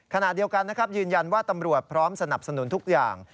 ขณะเดียวกันนะครับยืนยันว่าตำรวจพร้อมสนับสนุนทุกอย่าง